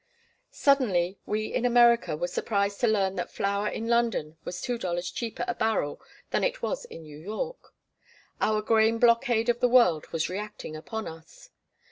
Suddenly we in America were surprised to learn that flour in London was two dollars cheaper a barrel than it was in New York. Our grain blockade of the world was reacting upon us.